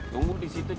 tunggu disitu cek